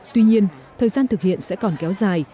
tuy nhiên thời gian thực hiện sẽ còn kéo dài